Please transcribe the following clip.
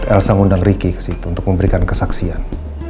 elsa ngundang ricky ke situ untuk memberikan kesaksian